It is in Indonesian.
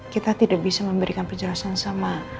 kita tidak bisa memberikan penjelasan sama